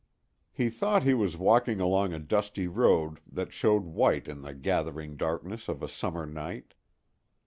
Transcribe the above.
He thought he was walking along a dusty road that showed white in the gathering darkness of a summer night.